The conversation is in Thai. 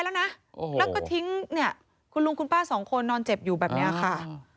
แล้วก็ทิ้งเนี่ยคุณลุงคุณป้าสองคนนอนเจ็บอยู่แบบนี้ค่ะ